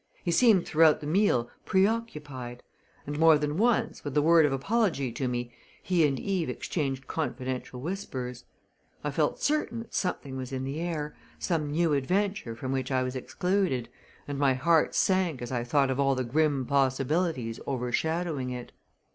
He seemed throughout the meal preoccupied; and more than once, with a word of apology to me, he and Eve exchanged confidential whispers. I felt certain that something was in the air, some new adventure from which I was excluded, and my heart sank as I thought of all the grim possibilities overshadowing it.